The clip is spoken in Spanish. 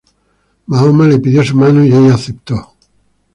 Mahoma le pidió su mano y ella aceptó.